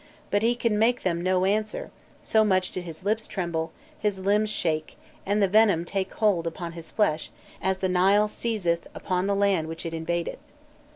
but he could make them no answer so much did his lips tremble, his limbs shake, and the venom take hold upon his flesh as the Nile seizeth upon the land which it invadeth."